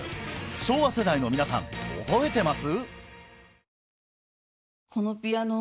昭和世代の皆さん覚えてます？